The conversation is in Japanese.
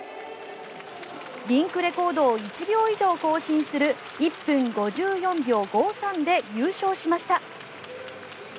リンクレコードを１秒以上更新する１分５４秒５３で優勝しました。